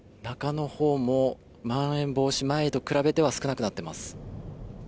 中のほうも、まん延防止前と比べては少なくなっています。